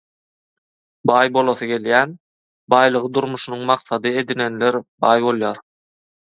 Baý bolasy gelýän, baýlygy durmuşynyň maksady edinenler baý bolýar.